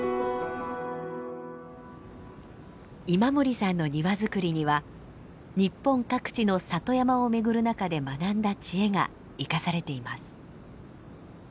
今森さんの庭づくりには日本各地の里山を巡る中で学んだ知恵が生かされています。